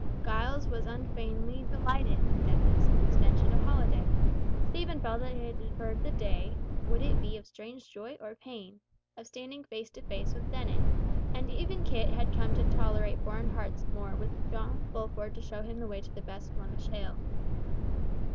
Giles was unfeignedly delighted at this extension of holiday, Stephen felt that it deferred the day—would it be of strange joy or pain?—of standing face to face with Dennet; and even Kit had come to tolerate foreign parts more with Sir John Fulford to show him the way to the best Flemish ale!